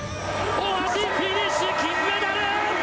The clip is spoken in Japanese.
大橋フィニッシュ金メダル！